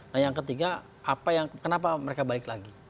nah yang ketiga kenapa mereka balik lagi